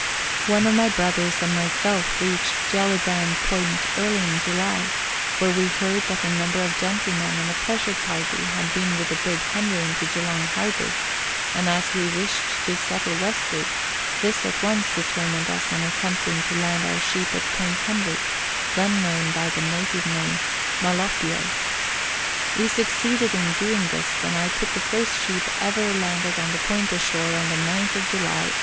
One of my brothers and myself reached Gellibrand Point early in July, where we heard that a number of gentlemen on a pleasure party had been with the brig Henry into Geelong harbour ; and as we wished to settle west ward, this at once determined us on attempting to land our sheep at Point Henry, then known by the native name Maloppio. We succeeded in doing this, and I put the first sheep ever landed on the point ashore on the 9th July 1836.